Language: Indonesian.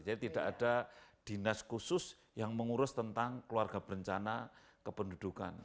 jadi tidak ada dinas khusus yang mengurus tentang keluarga berencana kependudukan